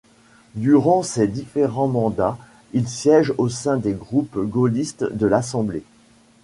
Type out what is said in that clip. Durant ses différents mandats, il siège au sein des groupes gaullistes de l'Assemblée.